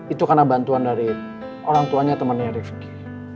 itu karena bantuan dari orangtuanya temennya rifki